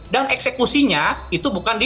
dan eksekusinya juga harus dikonsumsi